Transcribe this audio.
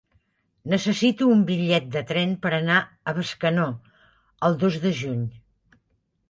Necessito un bitllet de tren per anar a Bescanó el dos de juny.